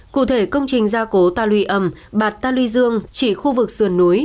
cụ thể công trình gia cố ta luy âm bạt ta luy dương chỉ khu vực sườn núi